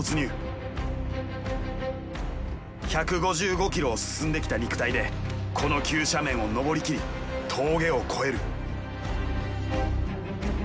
１５５ｋｍを進んできた肉体でこの急斜面を登りきり峠を越える。